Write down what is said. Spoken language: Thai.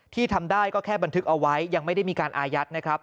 ทำได้ก็แค่บันทึกเอาไว้ยังไม่ได้มีการอายัดนะครับ